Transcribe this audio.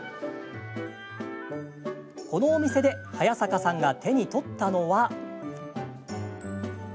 このお店で早坂さんが手に取ったのは。